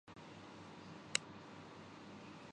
تو دوسرا راستہ الیکشن کا ہی تھا۔